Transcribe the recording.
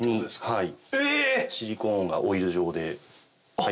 はい。